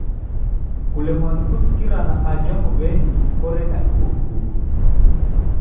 Kulemwa ni kusikirana aja mbuw'enyi koreda kibunguru.